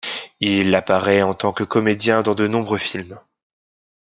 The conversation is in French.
Il apparaît en tant que comédien dans de nombreux films.